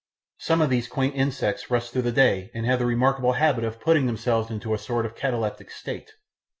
Some of these quaint insects rest through the day and have the remarkable habit of putting themselves into a sort of kataleptic state.